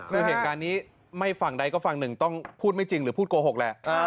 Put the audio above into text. คือเหตุการณ์นี้ไม่ฝั่งใดก็ฝั่งหนึ่งต้องพูดไม่จริงหรือพูดโกหกแหละ